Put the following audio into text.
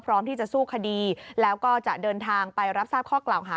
พร้อมที่จะสู้คดีแล้วก็จะเดินทางไปรับทราบข้อกล่าวหา